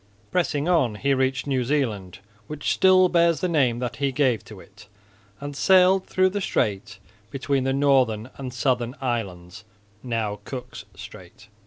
Pressing on he reached New Zealand, which still bears the name that he gave to it, and sailed through the strait between the northern and southern islands, now Cook's strait.